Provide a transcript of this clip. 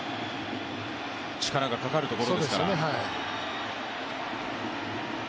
力がかかるところですから。